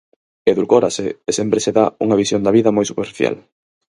Edulcórase e sempre se dá unha visión da vida moi superficial.